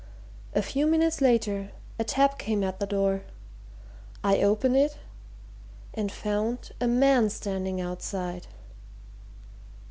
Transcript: A few minutes later, a tap came at the door. I opened it and found a man standing outside!"